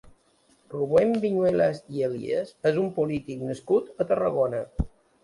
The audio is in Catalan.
Rubén Viñuales i Elías és un polític nascut a Tarragona.